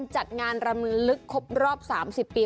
จัดงานรำลึกครบรอบ๓๐ปี